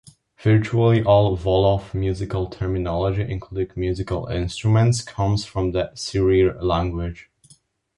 Virtually all Wolof musical terminology including musical instruments comes from the Serer language.